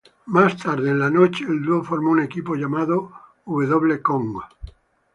Más tarde en la noche, el dúo formó un equipo llamado W Kong.